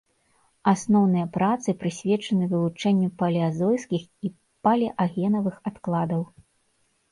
Асноўныя працы прысвечаны вывучэнню палеазойскіх і палеагенавых адкладаў.